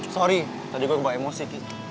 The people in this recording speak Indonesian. sorry tadi gue emosi